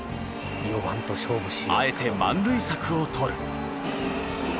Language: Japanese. あえて満塁策をとる。